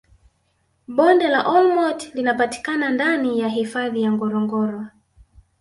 bonde la olmoti linapatikana ndani ya hifadhi ya ngorongoro